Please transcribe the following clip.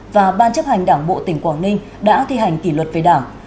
và ban chấp hành đảng bộ tỉnh quảng ninh đã thi hành kỷ luật về đảng